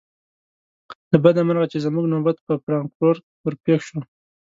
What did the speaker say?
له بده مرغه چې زموږ نوبت پر فرانکفورت ور پیښ شو.